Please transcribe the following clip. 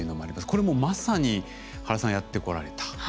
これもうまさに原さんやってこられた。